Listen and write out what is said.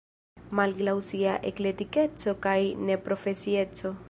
Malgraŭ sia eklektikeco kaj neprofesieco.